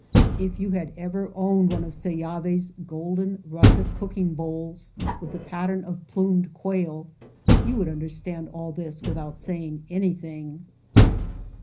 If you had ever owned one of Seyavi's golden russet cooking bowls with the pattern of plumed quail, you would understand all this with out saying anything.